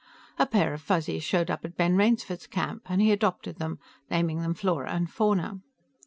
A pair of Fuzzies showed up at Ben Rainsford's camp, and he adopted them, naming them Flora and Fauna.